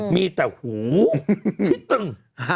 มีแต่หูที่ตึง